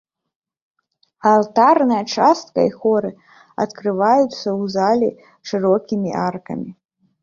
Алтарная частка і хоры адкрываюцца ў залу шырокімі аркамі.